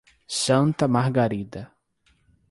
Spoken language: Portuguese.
Santa Margarida